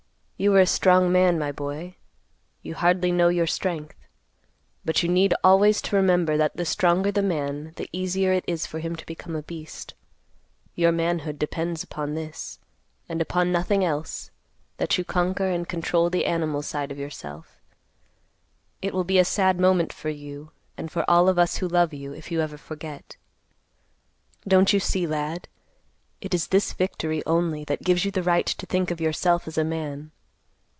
You are a strong man, my boy. You hardly know your strength. But you need always to remember that the stronger the man, the easier it is for him to become a beast. Your manhood depends upon this, and upon nothing else, that you conquer and control the animal side of yourself. It will be a sad moment for you, and for all of us who love you, if you ever forget. Don't you see, lad, it is this victory only that gives you the right to think of yourself as a man.